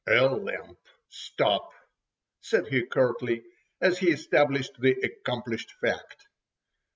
"A lamp! Stop!" said he curtly, as he established the accomplished fact.